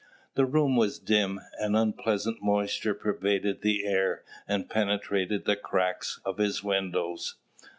The room was dim: an unpleasant moisture pervaded the air, and penetrated the cracks of his windows.